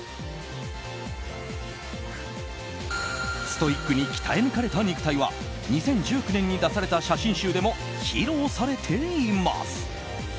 ストイックに鍛え抜かれた肉体は２０１９年に出された写真集でも披露されています。